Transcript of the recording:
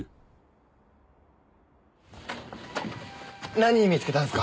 何見つけたんすか？